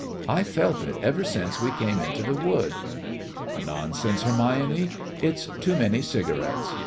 I've felt it ever since we came into the wood." "Nonsense, Hermione. It's too many cigarettes."